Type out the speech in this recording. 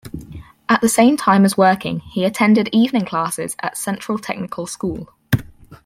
At the same time as working, he attended evening classes at Central Technical School.